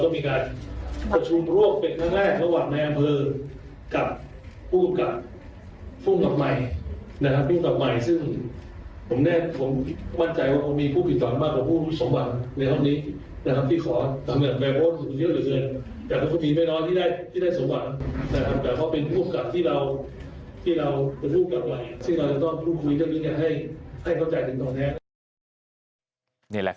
มีการแสดงข่าวแล้วก็มีการประชุมโรคเป็นทั้งแรก